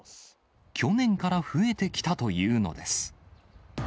去年から増えてきたというのです。